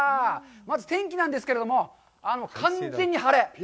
まず天気なんですけれども、完全に晴れ。